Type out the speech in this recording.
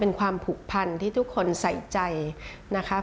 เป็นความผูกพันที่ทุกคนใส่ใจนะคะ